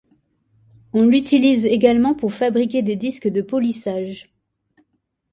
On l'utilise également pour fabriquer des disques de polissage.